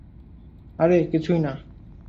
আরে কিছুই না।